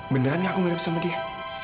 beneran gak aku mirip sama dia